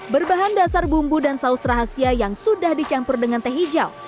berbahan dasar bumbu dan saus rahasia yang sudah dicampur dengan teh hijau